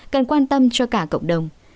cần quan tâm cho cả cộng đồng